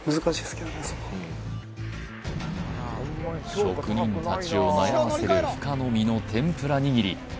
職人たちを悩ませるフカの身の天ぷらにぎり